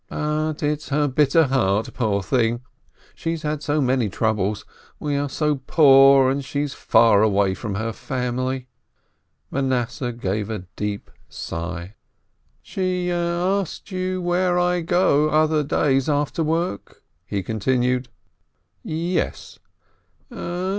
But it's her bitter heart, poor thing — she's had so many troubles! We're so poor, and she's far away from her family." Manasseh gave a deep sigh. "She asked you where I go other days after work?" he continued. "Yes."